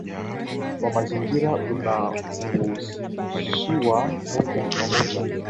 wa mazingira unahusishwa moja kwa moja